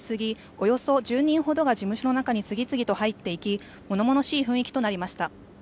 およそ１０人ほどが事務所の中に次々と入っていき物々しい雰囲気となりました。